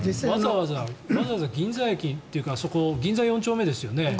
わざわざ銀座駅というかあそこ、銀座４丁目ですよね。